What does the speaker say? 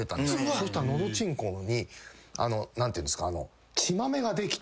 そしたら喉ちんこに何ていうんですか。